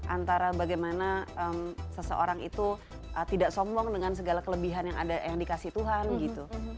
antara bagaimana seseorang itu tidak sombong dengan segala kelebihan yang dikasih tuhan gitu